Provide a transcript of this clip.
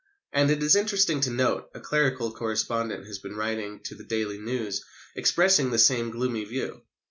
And, it is interesting to note, a clerical correspondent has been writing to the Daily News expressing the same gloomy view.